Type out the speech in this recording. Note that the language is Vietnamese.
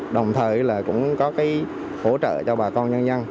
đồng thời là cũng có cái hỗ trợ cho bà con nhân dân